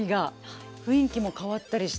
雰囲気も変わったりして。